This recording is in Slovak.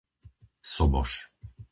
Soboš